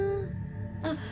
あっ。